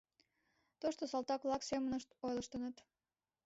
Тошто салтак-влак семынышт ойлыштыныт: